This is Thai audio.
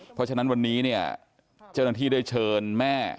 เพราะฉะนั้นวันนี้เนี่ยเจ้าหน้าที่ได้เชิญแม่